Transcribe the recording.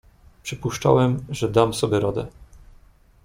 "Przypuszczałem, że dam sobie radę."